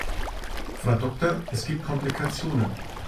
Frau Doktor, es gibt Komplikationen.